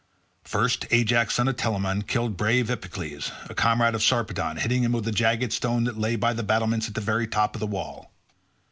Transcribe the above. First, Ajax son of Telamon killed brave Epicles, a comrade of Sarpedon, hitting him with a jagged stone that lay by the battlements at the very top of the wall.